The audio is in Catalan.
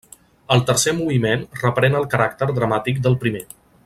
El tercer moviment reprèn el caràcter dramàtic del primer.